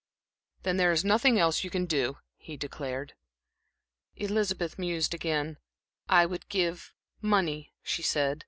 "Then there is nothing else you can do," he declared. Elizabeth mused again. "I would give money," she said.